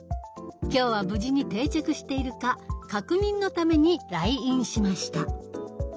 今日は無事に定着しているか確認のために来院しました。